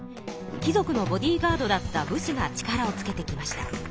貴族のボディーガードだった武士が力をつけてきました。